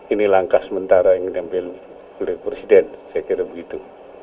ini langkah sementara yang diambil oleh presiden saya kira begitu